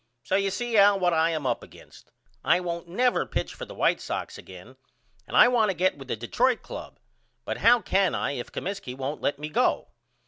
So you see Al what I am up against. I won't never pitch for the White Sox again and I want to get with the Detroit Club but how can I if Comiskey won't let me go?